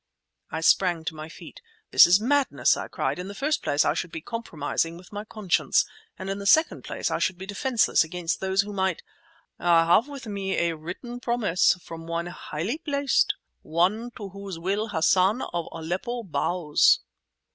I sprang to my feet. "That is madness!" I cried. "In the first place I should be compromising with my conscience, and in the second place I should be defenceless against those who might—" "I have with me a written promise from one highly placed—one to whose will Hassan of Aleppo bows!"